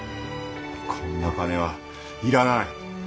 こんな金は要らない。